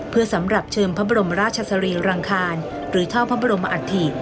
เพื่อสำหรับเชิมพระบรมราชสรีรังคารหรือเท่าพระบรมอัฐิ